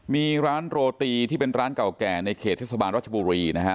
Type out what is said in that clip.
มีร้านโรตีที่เป็นร้านเก่าแก่ในเขตเทศบาลรัชบุรีนะฮะ